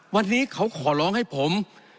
วันนี้เขาขอร้องให้ผม